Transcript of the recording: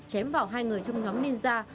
chém vào hai người trong nhóm ninja